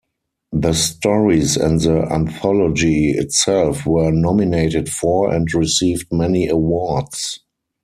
The stories and the anthology itself were nominated for and received many awards.